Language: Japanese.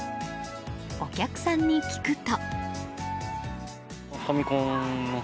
お客さんに聞くと。